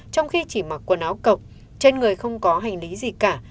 trong khi chỉ mặc quần áo cọc trên người không có hành lý gì cả